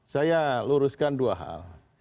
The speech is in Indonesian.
saya luruskan dua hal